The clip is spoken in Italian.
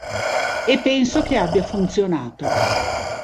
E penso che abbia funzionato.